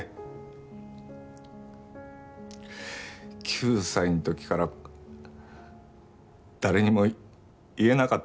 ９歳の時から誰にも言えなかったよ。